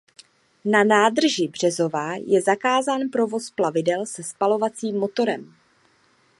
Na nádrži Březová je zakázán provoz plavidel se spalovacím motorem.